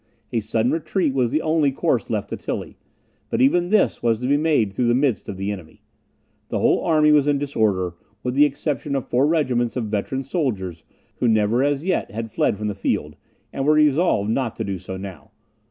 A sudden retreat was the only course left to Tilly, but even this was to be made through the midst of the enemy. The whole army was in disorder, with the exception of four regiments of veteran soldiers, who never as yet had fled from the field, and were resolved not to do so now.